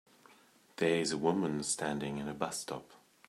There is a woman standing in a bus stop.